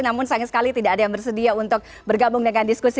namun sayang sekali tidak ada yang bersedia untuk bergabung dengan diskusi